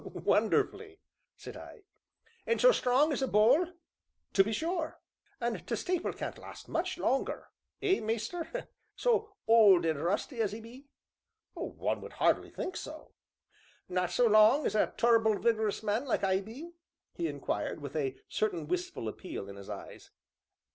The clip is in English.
"Wonderfully!" said I. "An' so strong as a bull?" "To be sure." "An' t' stapil can't last much longer eh, maister? so old an' rusty as 'e be?" "One would hardly think so." "Not so long as a tur'ble vig'rus man, like I be?" he inquired, with a certain wistful appeal in his eyes.